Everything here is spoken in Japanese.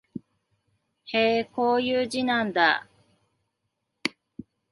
へえ、こういう字なんだ